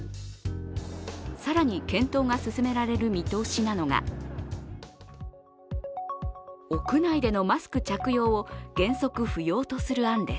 更に、検討が進められる見通しなのが屋内でのマスク着用を原則不要とする案です。